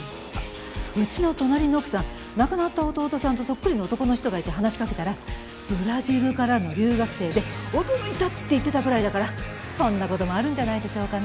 うちの隣の奥さん亡くなった弟さんとそっくりの男の人がいて話しかけたらブラジルからの留学生で驚いたって言ってたぐらいだからそんな事もあるんじゃないでしょうかね。